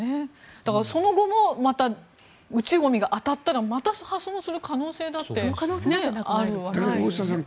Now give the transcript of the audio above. だからその後もまた宇宙ゴミが当たったらまた破損する可能性だってあるわけですよね。